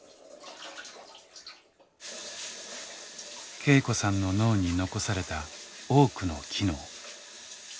恵子さんの脳に残された多くの機能。